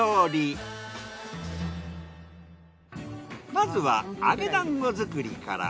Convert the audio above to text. まずは揚げ団子作りから。